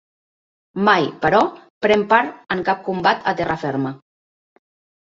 Mai, però, pren part en cap combat a terra ferma.